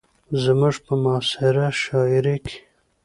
زموږ په معاصره شاعرۍ کې